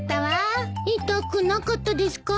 痛くなかったですか？